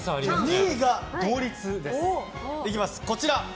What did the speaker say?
２位が同率です。